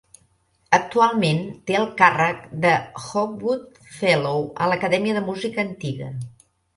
Actualment té el càrrec de Hogwood Fellow a l'acadèmia de música antiga.